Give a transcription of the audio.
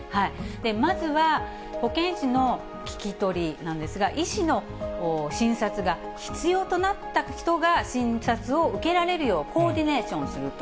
まずは保健師の聞き取りなんですが、医師の診察が必要となった人が診察を受けられるようコーディネーションすると。